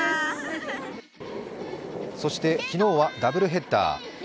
そして昨日はダブルヘッダー。